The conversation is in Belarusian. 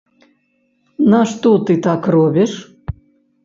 Нашто ты так робіш?